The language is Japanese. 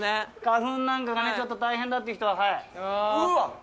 花粉なんかがちょっと大変だって人ははい。